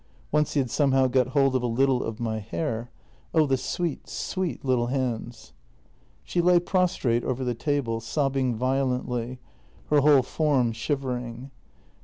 Once he had somehow got hold of a little of my hair — oh, the sweet, sweet little hands. ..." She lay prostrate over the table, sobbing violently, her whole form shivering.